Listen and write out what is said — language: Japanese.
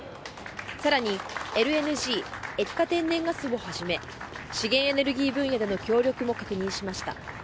さらにＬＮＧ、液化天然ガスをはじめ資源エネルギー分野での協力も確認しました。